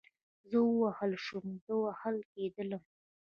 زه ووهل شوم, زه وهل کېدلم